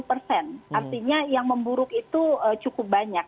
artinya yang memburuk itu cukup banyak